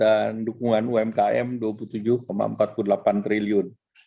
dan dukungan umkm rp dua puluh tujuh empat puluh delapan triliun